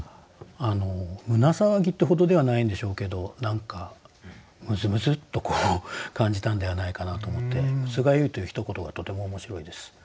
胸騒ぎってほどではないんでしょうけど何かむずむずっと感じたんではないかなと思って「むずがゆい」というひと言がとても面白いです。